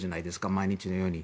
毎日のように。